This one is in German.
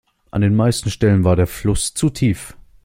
An den meisten Stellen war der Fluss zu tief.